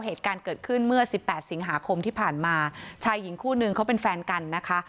เหตุการณ์เกิดขึ้นเมื่อสิบแปดสิงหาคมที่ผ่านมาชายหญิงคู่นึงเขาเป็นแฟนกันนะคะ